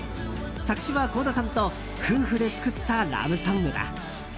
作詞は倖田さんと夫婦で作ったラブソングだ。